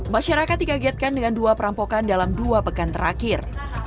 masyarakat dikagetkan dengan dua perampokan dalam dua pekan terakhir